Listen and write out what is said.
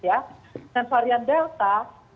ya dengan varian delta